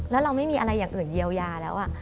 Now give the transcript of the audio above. แล้วเราไม่มีอะไรอย่างอื่นเยียวยาแล้ว